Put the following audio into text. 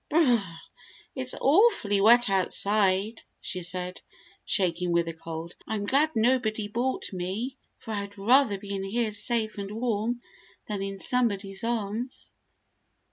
"B r r r, it's awfully wet outside," she said, shaking with the cold. "I'm glad nobody bought me, for I'd rather be in here safe and warm than in somebody's arms."